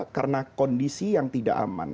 karena kondisi yang tidak aman